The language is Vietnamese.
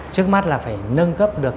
trước mắt là phải nâng cấp được